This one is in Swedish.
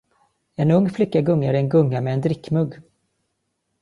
En ung flicka gungar i en gunga med en drickmugg.